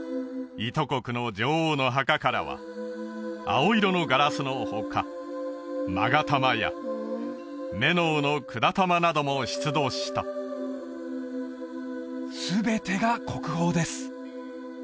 伊都国の女王の墓からは青色のガラスの他勾玉やメノウの管玉なども出土した全てが国宝です